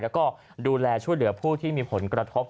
แล้วก็ดูแลช่วยเหลือผู้ที่มีผลกระทบ